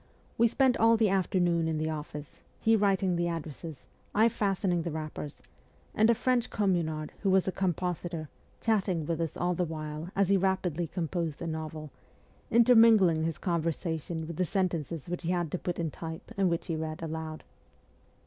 We spent all the afternoon in the office, he writing the addresses, I fastening the wrappers, and a French Communard, who was a compositor, chatting with us all the while as he rapidly composed a novel, intermingling his conversation with the sentences which he had to put in type and which he read aloud.